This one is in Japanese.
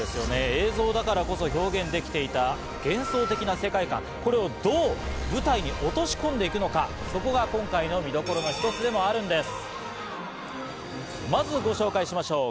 映像だからこそ表現できていた幻想的な世界感、これをどう舞台に落とし込んでいくのか、そこが今回の見どころの一つでもあるんです。